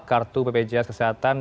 kartu bpjs kesehatan